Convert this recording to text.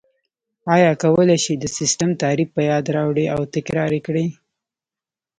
ایا کولای شئ د سیسټم تعریف په یاد راوړئ او تکرار یې کړئ؟